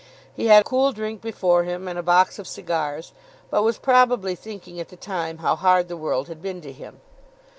He had cool drink before him and a box of cigars, but was probably thinking at the time how hard the world had been to him.